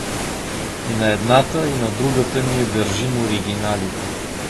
И на едната, и на другата ние държим оригиналите.